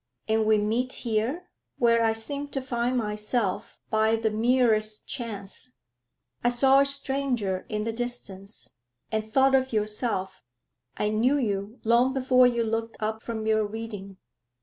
'And we meet here, where I seemed to find myself by the merest chance. I saw a stranger in the distance, and thought of yourself; I knew you long before you looked up from your reading.'